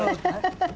ハハハハ。